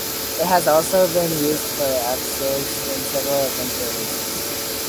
It has also been used for abseils in several adventure races.